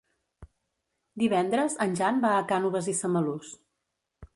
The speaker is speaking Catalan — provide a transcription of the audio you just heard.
Divendres en Jan va a Cànoves i Samalús.